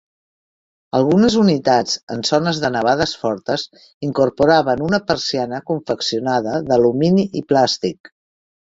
Algunes unitats, en zones de nevades fortes, incorporaven una persiana confeccionada d'alumini i plàstic.